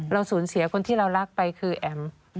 สูญเสียคนที่เรารักไปคือแอ๋ม